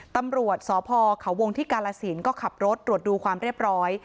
ตำรวจสพเขาวงที่กาลสินก็ขับรถตรวจดูความเรียบร้อย